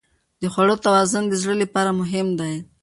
د خوړو توازن د زړه لپاره مهم دی.